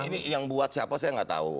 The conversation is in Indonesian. ini yang buat siapa saya nggak tahu